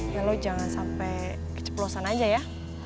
ya lo jangan sampai keceplosan aja ya